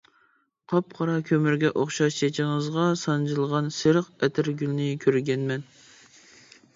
قاپقارا كۆمۈرگە ئوخشاش چېچىڭىزغا سانجىلغان سېرىق ئەتىر گۈلنى كۆرگەنمەن.